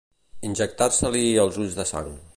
Injectar-se-li els ulls de sang.